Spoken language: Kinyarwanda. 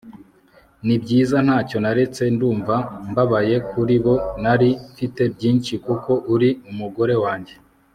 nibyiza ntacyo naretse, ndumva mbabaye kuri bo, nari mfite byinshi kuko uri umugore wanjye